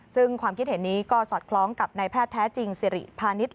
ซึ่งความคิดเห็นนี้ก็สอดคล้องกับนายแพทย์แท้จริงสิริพาณิชย